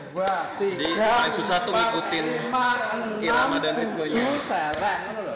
jadi paling susah itu ngikutin irama dan hitboxnya